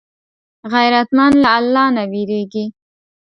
غیرتمند له الله نه وېرېږي